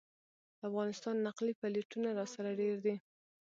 د افغانستان نقلي پلېټونه راسره ډېر دي.